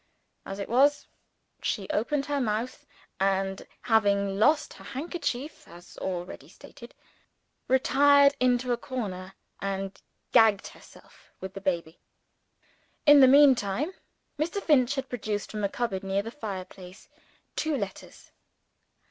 As it was, she opened her mouth; and (having lost her handkerchief as already stated) retired into a corner, and gagged herself with the baby. In the meantime, Mr. Finch had produced from a cupboard near the fireplace, two letters.